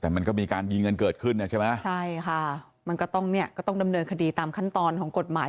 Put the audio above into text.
แต่มันก็มีการยิงกันเกิดขึ้นเนี่ยใช่ไหมใช่ค่ะมันก็ต้องเนี่ยก็ต้องดำเนินคดีตามขั้นตอนของกฎหมาย